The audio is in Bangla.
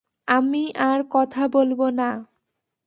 আমি আর কথা বলব না।